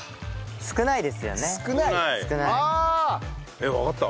えっわかった？